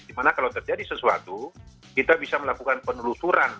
di mana kalau terjadi sesuatu kita bisa melakukan penelusuran